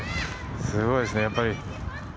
すごいですねやっぱり。